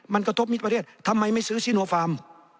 มันกระทบมิตรประเทศทำไมไม่ซื้อซีโนฟาร์ม